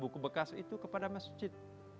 buku bekas itu kepada masjid